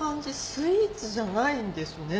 スイーツじゃないんですよね